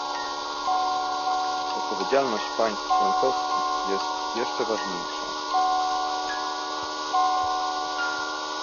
Odpowiedzialność państw członkowskich jest jeszcze ważniejsza